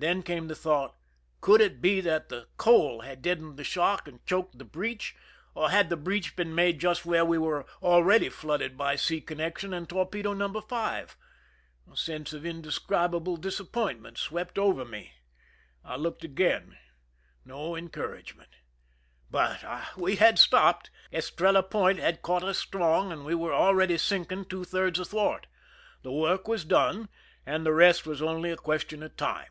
Then came the thought, Could it be that the coal had deadened the shock and choked the breach, or had the breach been made just where we were already flooded by sea connec tion and torpedo No. 5 ? A sense of indescribable disappointment swept over me. I looked again: no encouragement. But ah ! we had stopped, Es trella Point had caught us strong, and we were steadily sinking two thirds athwart. The work was done, and the rest was only a question of time.